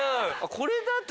これだと。